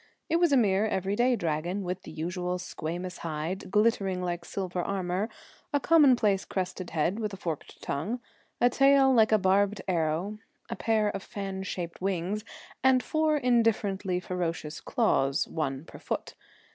It was a mere every day Dragon, with the usual squamous hide, glittering like silver armour, a commonplace crested head with a forked tongue, a tail like a barbed arrow, a pair of fan shaped wings, and four indifferently ferocious claws, one per foot.